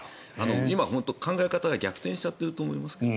今、考え方が逆転しちゃっていると思います。